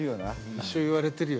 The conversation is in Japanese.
一生言われてるよ